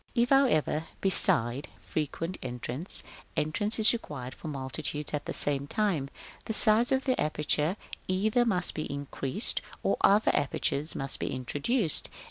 § VI. If, however, beside frequent entrance, entrance is required for multitudes at the same time, the size of the aperture either must be increased, or other apertures must be introduced.